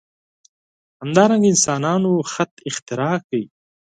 همدارنګه انسانانو خط اختراع کړ.